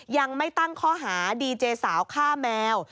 ยังไม่ตั้งข้อหาดีเจสาวฆ่าแมว